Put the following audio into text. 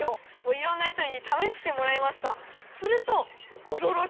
いろんな人に試してもらいましたすると。